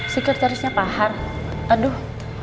sekretarisnya pak hart aduh